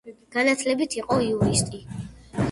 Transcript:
განათლებით იყო იურისტი.